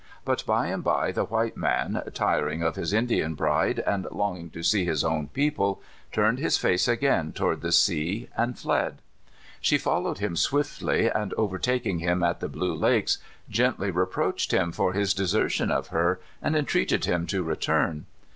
But by and by the white man, tiring of his Indian bride, and longing to see his own people, turned his face again toward the sea, and fled. She followed him swiftly, and over taking him at the Blue Lakes, gently reproached him for his desertion of her, and entreated him to return.